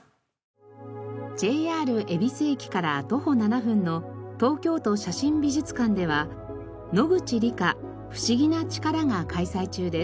ＪＲ恵比寿駅から徒歩７分の東京都写真美術館では「野口里佳不思議な力」が開催中です。